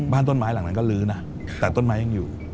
บ้านต้นไม้หลังนั้นก็ลื้อนะแต่ต้นไม้ยังอยู่